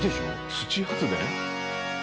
土発電？